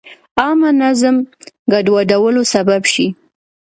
عامه نظم ګډوډولو سبب شي.